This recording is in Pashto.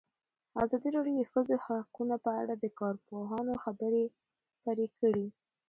ازادي راډیو د د ښځو حقونه په اړه د کارپوهانو خبرې خپرې کړي.